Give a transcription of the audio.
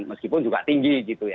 meskipun juga tinggi gitu ya